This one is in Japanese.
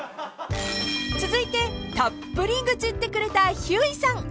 ［続いてたっぷり愚痴ってくれたひゅーいさん］